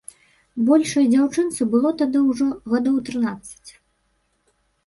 Большай дзяўчынцы было тады ўжо гадоў трынаццаць.